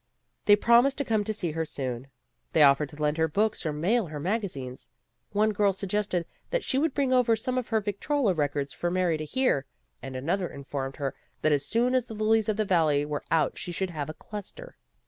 They promised to come to see her soon. They offered to lend her books or mail her magazines. One girl suggested that she would bring over some of her victrola records for Mary to hear, and another informed her that as soon as the lilies of the valley were out she should have a cluster.